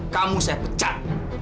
kamu saya pecat